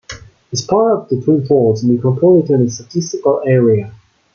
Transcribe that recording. It is part of the Twin Falls Micropolitan Statistical Area.